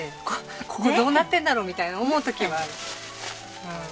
ここどうなってんだろうみたいな思う時はある。